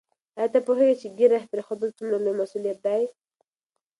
آیا ته پوهېږې چې ږیره پرېښودل څومره لوی مسؤلیت دی؟